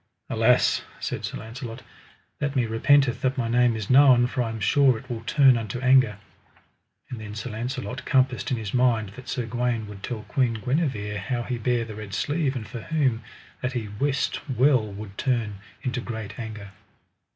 Alas, said Sir Launcelot, that me repenteth that my name is known, for I am sure it will turn unto anger. And then Sir Launcelot compassed in his mind that Sir Gawaine would tell Queen Guenever how he bare the red sleeve, and for whom; that he wist well would turn into great anger.